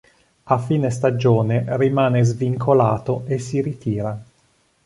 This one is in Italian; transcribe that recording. A fine stagione rimane svincolato e si ritira.